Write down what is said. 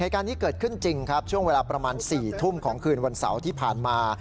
เหตุการณ์นี้เกิดขึ้นจริงครับช่วงเวลาประมาณ๔ทุ่มของคืนวันเสาร์ที่ผ่านมา